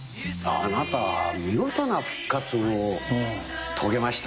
あなた見事な復活を遂げましたよねぇ。